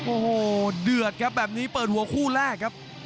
โอ้โหเดือดครับแบบนี้เปิดหัวคู่แรกครับ